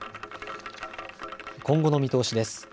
今後の見通しです。